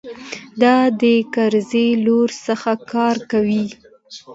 دا د کرزي لور څه کار کوي.